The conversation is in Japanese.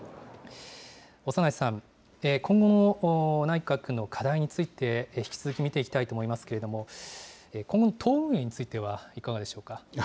長内さん、今後の内閣の課題について、引き続き見ていきたいと思いますけれども、今後の党運営についてはいかがでしょうか。